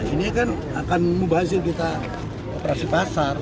ini kan akan mubazir kita operasi pasar